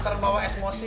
ntar bawa esmosi